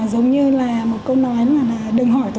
giống như là một câu nói là đừng hỏi tổ quốc đã làm gì cho ta